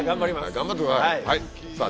頑張ってください。